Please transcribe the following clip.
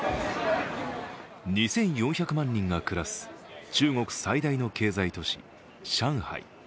２４００万人が暮らす中国最大の経済都市・上海。